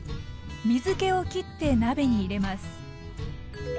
水けをきって鍋に入れます